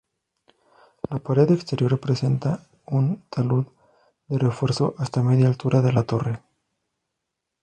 La pared exterior presenta un talud de refuerzo hasta media altura de la torre.